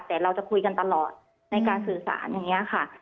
แต่เราจะคุยกันตลอดในการสื่อสารอย่างนี้ค่ะ